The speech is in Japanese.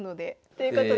ということで。